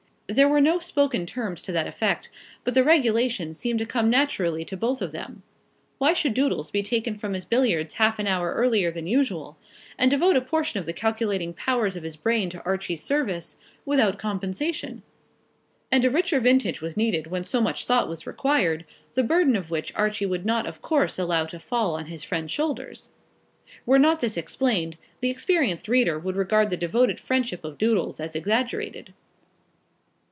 There were no spoken terms to that effect, but the regulation seemed to come naturally to both of them. Why should Doodles be taken from his billiards half an hour earlier than usual, and devote a portion of the calculating powers of his brain to Archie's service without compensation? And a richer vintage was needed when so much thought was required, the burden of which Archie would not of course allow to fall on his friend's shoulders. Were not this explained, the experienced reader would regard the devoted friendship of Doodles as exaggerated.